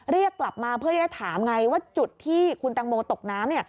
เรียกกลับมาเพื่อที่จะถามไงว่าจุดที่คุณตังโมตกน้ำเนี่ย